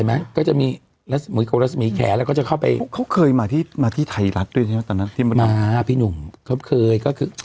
อะไรอย่างเงี้ยเข้ามาเข้าไปเขาเคยมาที่มาที่ไทยรัฐด้วยใช่มั้ย